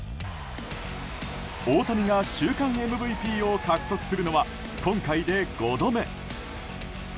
大谷が週間ＭＶＰを獲得するのは今回で５度目。